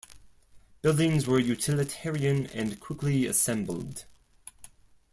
Buildings were utilitarian and quickly assembled.